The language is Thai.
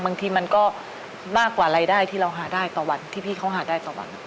บางทีมันก็มากกว่ารายได้ที่เราหาได้ต่อวันที่พี่เขาหาได้ต่อวัน